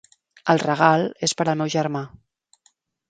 El regal és per al meu germà.